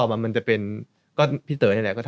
รู้จักรู้จัก